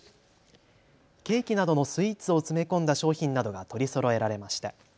ケーキなどのスイーツを詰め込んだ商品などが取りそろえられました。